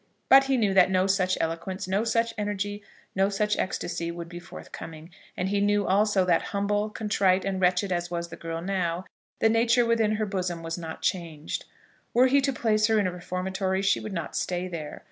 But he knew that no such eloquence, no such energy, no such ecstacy, would be forthcoming. And he knew, also, that humble, contrite, and wretched as was the girl now, the nature within her bosom was not changed. Were he to place her in a reformatory, she would not stay there.